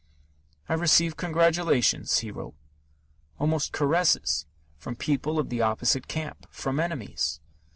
"I received congratulations," he wrote, almost caresses, from people of the opposite camp, from enemies.